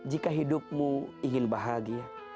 jika hidupmu ingin bahagia